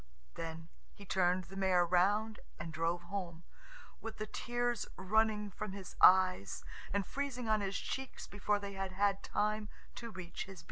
Then he turned the mare round and drove home, with the tears running from his eyes and freezing on his cheeks before they had had time to reach his beard.